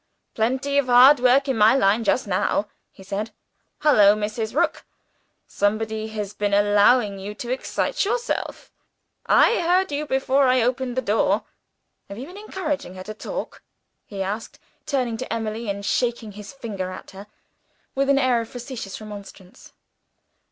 "Plenty of hard work in my line, just now," he said. "Hullo, Mrs. Rook! somebody has been allowing you to excite yourself. I heard you, before I opened the door. Have you been encouraging her to talk?" he asked, turning to Emily, and shaking his finger at her with an air of facetious remonstrance.